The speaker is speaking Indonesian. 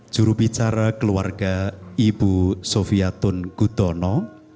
jurubicara keluarga ibu sofiatun gudono